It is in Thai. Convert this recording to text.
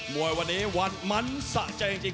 วยวันนี้วัดมันสะใจจริง